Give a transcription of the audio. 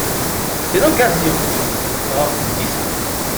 C’est l’occasion ! Or nous y sommes.